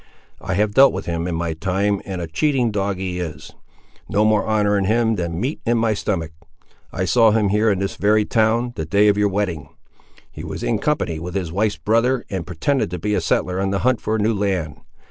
I have dealt with him in my time, and a cheating dog he is! No more honour in him than meat in my stomach. I saw him here in this very town, the day of your wedding. He was in company with his wife's brother, and pretended to be a settler on the hunt for new land.